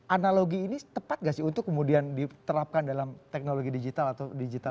analogi ini tepat gak sih untuk kemudian diterapkan dalam teknologi digital atau digital